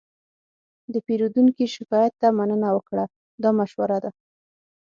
د پیرودونکي شکایت ته مننه وکړه، دا مشوره ده.